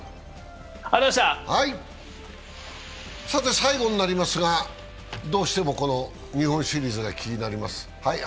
最後になりますが、どうしても日本シリーズが気になります。